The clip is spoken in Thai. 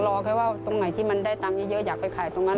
รอแค่ว่าตรงไหนที่มันได้ตังค์เยอะอยากไปขายตรงนั้น